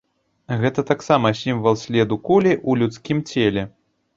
Гэта таксама сімвал следу кулі ў людскім целе.